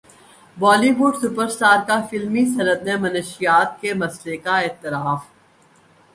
بولی would super star کا فلمی صنعت میں منشیات کے مسئلے کا اعتراف